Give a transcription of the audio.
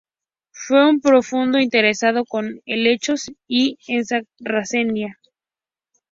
Fue un profundo interesado en helechos y en "Sarracenia".